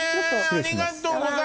ありがとうございます。